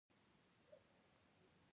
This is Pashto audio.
دښمنۍ څخه کار وانه خیستل شي.